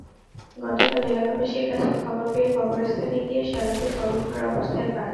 গতকাল এলাকাবাসীর কাছে খবর পেয়ে কবরস্থানে গিয়ে শ্যালকের কবর খোঁড়া অবস্থায় পান।